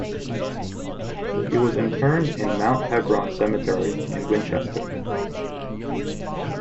He was interred in Mount Hebron Cemetery in Winchester.